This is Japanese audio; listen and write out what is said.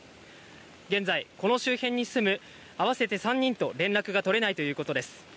現在、この周辺に住む合わせて３人と連絡が取れないということです。